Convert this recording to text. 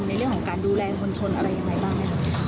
ในเรื่องของการดูแลคนชนประมาณยังไงบ้าง